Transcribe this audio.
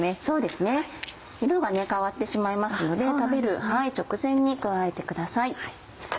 そうですね色が変わってしまいますので食べる直前に加えてください。